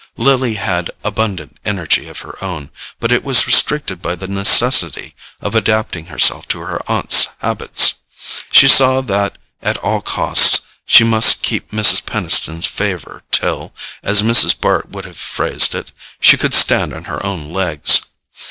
Lily had abundant energy of her own, but it was restricted by the necessity of adapting herself to her aunt's habits. She saw that at all costs she must keep Mrs. Peniston's favour till, as Mrs. Bart would have phrased it, she could stand on her own legs.